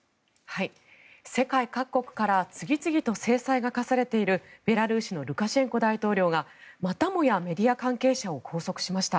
世界各国から次々と制裁が科せられているベラルーシのルカシェンコ大統領がまたもやメディア関係者を拘束しました。